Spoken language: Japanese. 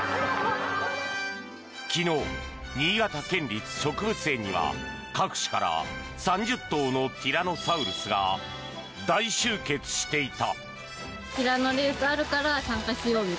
昨日、新潟県立植物園には各地から３０頭のティラノサウルスが大集結していた。